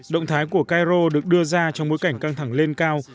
động thái của cairo được đưa ra trong bối cảnh căng thẳng lên cao